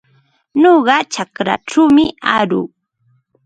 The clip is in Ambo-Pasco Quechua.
Nuqa chakraćhawmi aruu.